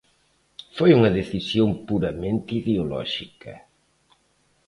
Foi unha decisión puramente ideolóxica.